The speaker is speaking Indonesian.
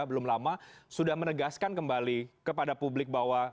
belum lama sudah menegaskan kembali kepada publik bahwa